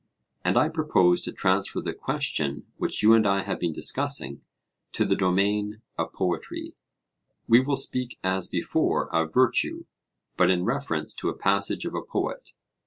And I propose to transfer the question which you and I have been discussing to the domain of poetry; we will speak as before of virtue, but in reference to a passage of a poet.